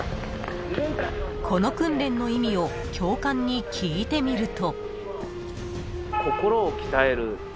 ［この訓練の意味を教官に聞いてみると］